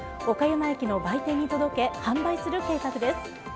岡山駅の売店に届け販売する計画です。